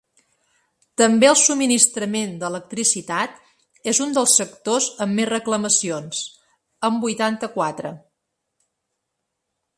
També el subministrament d’electricitat és un dels sectors amb més reclamacions, amb vuitanta-quatre.